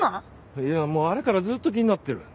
いやもうあれからずっと気になってる。